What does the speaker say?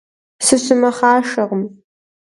Сыщымэхъашэкъым.